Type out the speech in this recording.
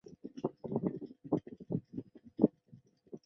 细齿密叶槭为槭树科槭属下的一个变种。